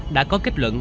đã có kết luận